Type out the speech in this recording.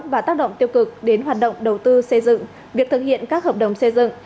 và tác động tiêu cực đến hoạt động đầu tư xây dựng việc thực hiện các hợp đồng xây dựng